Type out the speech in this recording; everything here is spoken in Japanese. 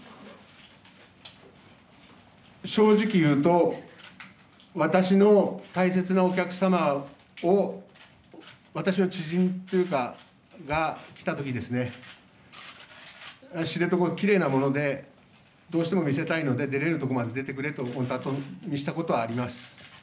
正直言うと、私の大切なお客様を私の知人が来たときに知床はきれいなものでどうしても見せたいので出れるところまで出てくれと言ったことはあります。